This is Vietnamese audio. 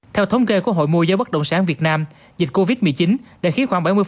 theo thống kê của hội mua giới bất động sản việt nam dịch covid một mươi chín đã khiến khoảng bảy mươi